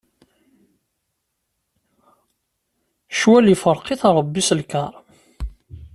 Ccwal ifṛeq-it Ṛebbi s lkaṛ.